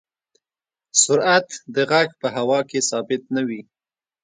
سرعت د غږ په هوا کې ثابت نه وي.